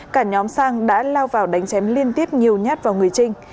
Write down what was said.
cả nhóm sang đã lao vào đánh chém liên tiếp nhiều nhát vào người trinh